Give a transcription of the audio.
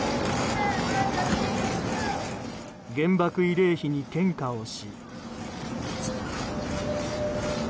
原爆慰霊碑に献花をし。